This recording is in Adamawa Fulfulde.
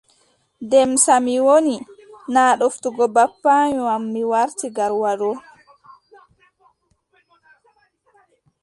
Demsa mi woni. naa ɗoftugo babbaayo am mi warti Garwa ɗo.